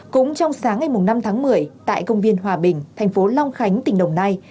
cũng trong sáng ngày năm tháng một mươi tại công viên hòa bình thành phố long khánh tỉnh đồng nai